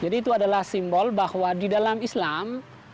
jadi itu adalah simbol bahwa di dalam islam